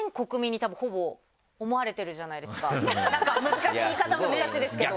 難しい言い方難しいですけど。